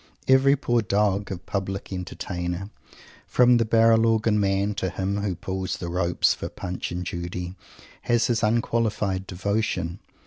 Every poor dog of Public Entertainer, from the Barrel Organ man to him who pulls the ropes for Punch and Judy, has his unqualified devotion.